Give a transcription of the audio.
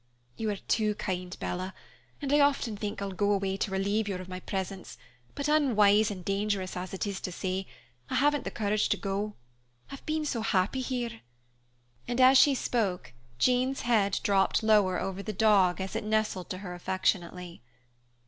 "You are too kind, Bella, and I often think I'll go away to relieve you of my presence; but unwise and dangerous as it is to stay, I haven't the courage to go. I've been so happy here." And as she spoke, Jean's head dropped lower over the dog as it nestled to her affectionately.